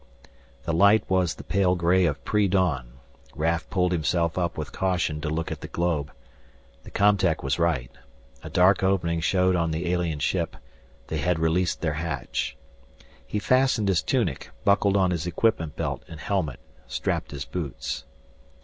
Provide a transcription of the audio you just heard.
The light was the pale gray of pre dawn. Raf pulled himself up with caution to look at the globe. The com tech was right. A dark opening showed on the alien ship; they had released their hatch. He fastened his tunic, buckled on his equipment belt and helmet, strapped his boots.